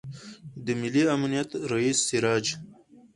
د ملي امنیت رئیس سراج